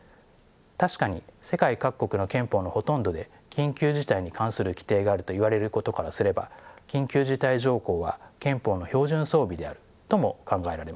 確かに世界各国の憲法のほとんどで緊急事態に関する規定があるといわれることからすれば緊急事態条項は憲法の標準装備であるとも考えられます。